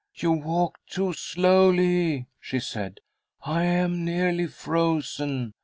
"You walk too slowly," she said. "I am nearly frozen.